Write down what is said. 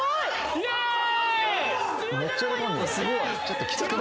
イエーイ